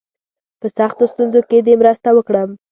په سختو ستونزو کې دي مرسته وکړم.